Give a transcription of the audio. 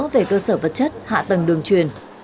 về cơ sở vật chất hạ tầng đường truyền